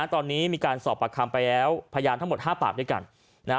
ตอนนี้มีการสอบประคำไปแล้วพยานทั้งหมด๕ปากด้วยกัน